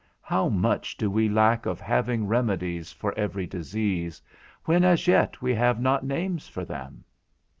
how much do we lack of having remedies for every disease, when as yet we have not names for them?